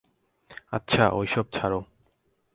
আচ্ছা, ওসব ছাড়ো।